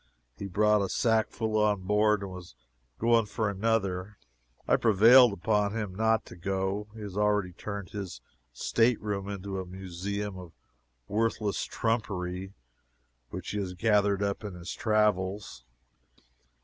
He brought a sack full on board and was going for another. I prevailed upon him not to go. He has already turned his state room into a museum of worthless trumpery, which he has gathered up in his travels.